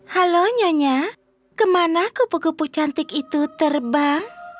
halo nyonya kemana kupu kupu cantik itu terbang